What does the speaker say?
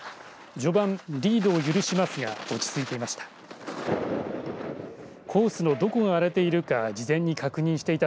序盤リードを許しますが落ち着いていました。